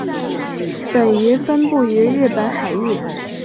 本鱼分布于日本海域。